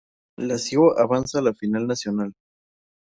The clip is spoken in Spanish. Lazio avanza a la Final Nacional.